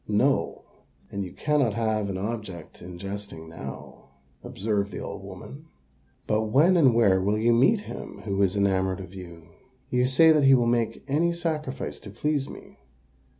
"No: and you cannot have an object in jesting now," observed the old woman. "But when and where will you meet him who is enamoured of you?" "You say that he will make any sacrifice to please me?"